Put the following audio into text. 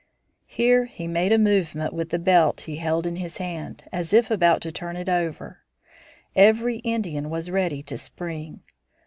Here he made a movement with the belt he held in his hand, as if about to turn it over. Every Indian was ready to spring.